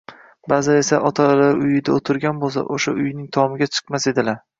Baʼzilari esa, otalari uyda oʻtirgan boʻlsa, oʻsha uyning tomiga chiqmas edilar